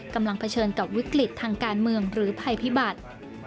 เผชิญกับวิกฤตทางการเมืองหรือภัยพิบัติ